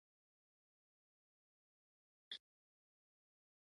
هوږه د وینې فشار کنټرولوي